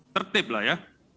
tertip lah ya